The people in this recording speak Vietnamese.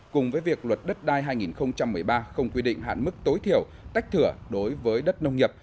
cùng với việc luật đất đai hai nghìn một mươi ba không quy định hạn mức tối thiểu tách thửa đối với đất nông nghiệp